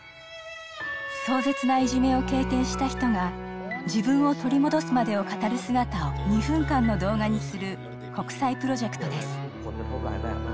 壮絶ないじめを経験した人が自分を取り戻すまでを語る姿を２分間の動画にする国際プロジェクトです。